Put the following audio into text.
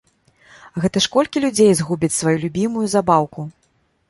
Гэта ж колькі людзей згубяць сваю любімую забаўку!